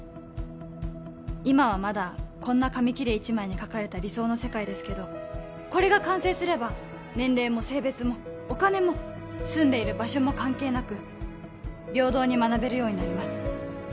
今はまだこんな紙切れ１枚に書かれた理想の世界ですけどこれが完成すれば年齢も性別もお金も住んでいる場所も関係なく平等に学べるようになります